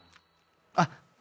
あっ！